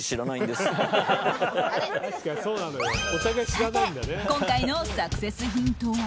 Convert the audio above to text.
さて今回のサクセスヒントは。